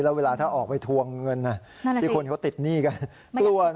แล้วเวลาถ้าออกไปทวงเงินที่คนเขาติดหนี้กัน